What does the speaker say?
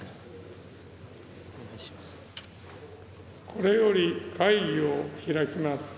これより会議を開きます。